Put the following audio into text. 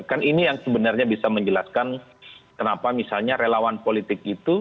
kan ini yang sebenarnya bisa menjelaskan kenapa misalnya relawan politik itu